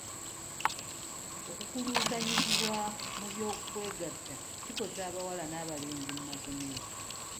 Okukuluusanyizibwa mu by'okwegatta kikosa abawala n'abalenzi mu masomero.